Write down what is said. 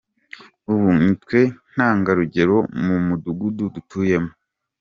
Ubu nitwe ntangarugero mu mudugudu dutuyemo.